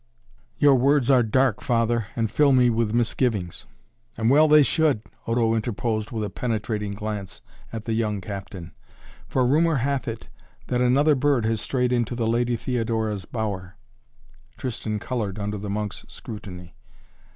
"Your words are dark, Father, and fill me with misgivings." "And well they should," Odo interposed with a penetrating glance at the young captain. "For rumor hath it that another bird has strayed into the Lady Theodora's bower " Tristan colored under the monk's scrutiny.